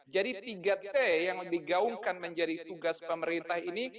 jadi tiga t yang digaungkan menjadi tugas pemerintah ini